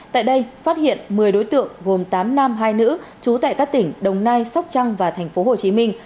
tại đây phát hiện một mươi đối tượng gồm tám nam hai nữ trú tại các tỉnh đồng nai sóc trăng và thành phố hồ chí minh